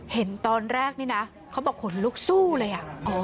เห็นตอนแรกนี่นะเขาบอกขนลุกสู้เลยอ่ะ